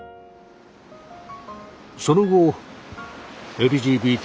その後ＬＧＢＴ